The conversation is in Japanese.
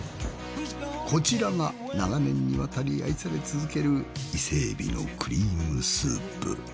こちらが長年にわたり愛され続ける伊勢海老のクリームスープ。